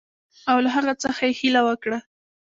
او له هغه څخه یې هیله وکړه.